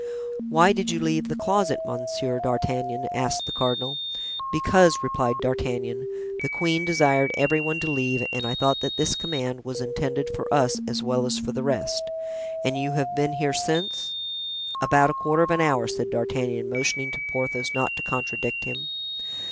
"Why did you leave the closet, Monsieur d'Artagnan?" asked the cardinal. "Because," replied D'Artagnan, "the queen desired every one to leave and I thought that this command was intended for us as well as for the rest." "And you have been here since——" "About a quarter of an hour," said D'Artagnan, motioning to Porthos not to contradict him.